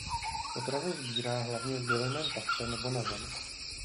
Potravu sbírá hlavně v bylinném patře nebo na zemi.